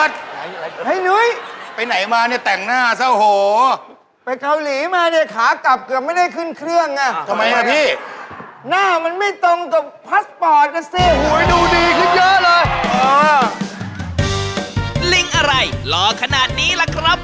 ดูสวยมากน่ารักเห็นแล้วหลงไหลเลยละนะครับ